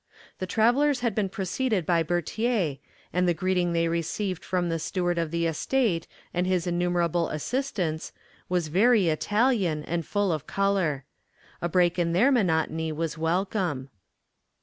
The travelers had been preceded by Bertier, and the greeting they received from the steward of the estate and his innumerable assistants was very Italian and full of color. A break in their monotony was welcome.